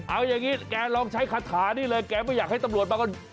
เอาอย่างนี้แกลองใช้คาถานี่เลยแกไม่อยากให้ตำรวจมาก่อน